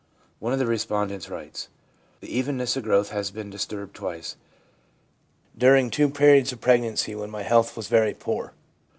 One of the respondents writes :* The evenness of growth has been disturbed twice, during two periods of pregnancy, when my health was very poor.